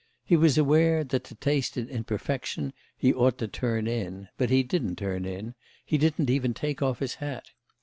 He was aware that to taste it in perfection he ought to "turn in"; but he didn't turn in, he didn't even take off his hat.